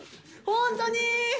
本当に？